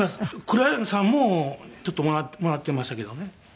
黒柳さんもちょっともらってましたけどね。